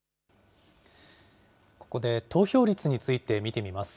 ここで投票率について見てみます。